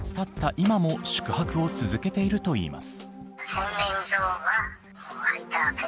今も宿泊を続けているといいます。